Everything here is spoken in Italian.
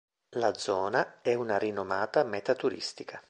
La zona è una rinomata meta turistica.